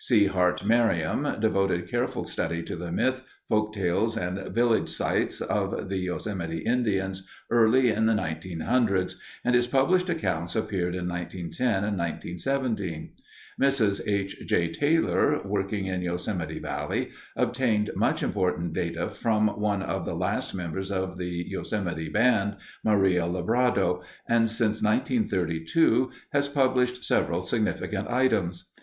C. Hart Merriam devoted careful study to the myths, folk tales, and village sites of the Yosemite Indians early in the 1900's, and his published accounts appeared in 1910 and 1917. Mrs. H. J. Taylor, working in Yosemite Valley, obtained much important data from one of the last members of the Yosemite band, Maria Lebrado, and since 1932 has published several significant items.